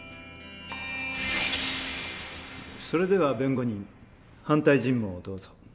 それでは弁護人反対尋問をどうぞ。